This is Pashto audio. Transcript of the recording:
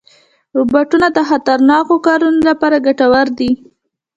روبوټونه د خطرناکو کارونو لپاره ګټور دي.